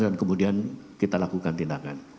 dan kemudian kita lakukan tindakan